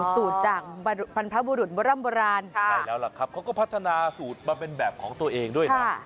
สูตรจากพันธพบุรุษโบราณเขาก็พัฒนาสูตรมาเป็นแบบของตัวเองด้วยนะ